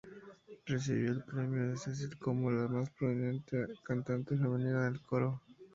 Recibió el premio St Cecil como la más prominente cantante femenina del coro.